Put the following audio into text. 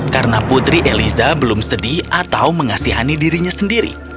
karena putri eliza belum sedih atau mengasihani dirinya sendiri